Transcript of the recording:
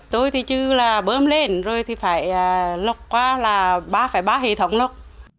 tôi thì chứ là bơm lên rồi thì phải lọc qua là ba ba hệ thống lọc